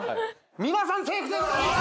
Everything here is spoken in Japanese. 皆さんセーフでございます。